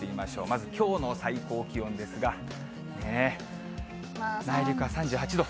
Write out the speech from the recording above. まずきょうの最高気温ですが、内陸は３８度。